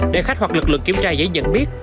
để khách hoạt lực lượng kiểm tra giấy nhận biết